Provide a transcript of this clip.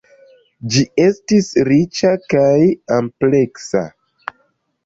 Ĝi estis riĉa kaj ampleksa.